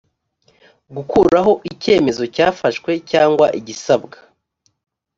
gukuraho icyemezo cyafashwe cyangwa igisabwa